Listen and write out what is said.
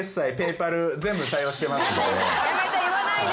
やめて言わないで。